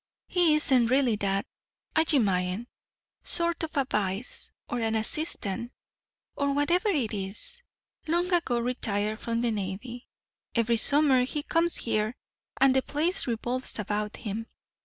He isn't really that, I imagine sort of a vice, or an assistant, or whatever it is, long ago retired from the navy. Every summer he comes here, and the place revolves about him.